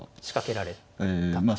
仕掛けられた。